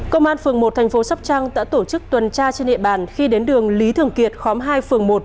công an phường một thành phố sóc trăng đã tổ chức tuần tra trên địa bàn khi đến đường lý thường kiệt khóm hai phường một